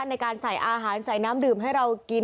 ในการใส่อาหารใส่น้ำดื่มให้เรากิน